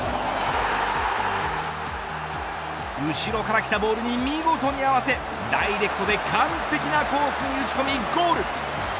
後ろからきたボールに見事に合わせダイレクトで完璧なコースに打ち込み、ゴール。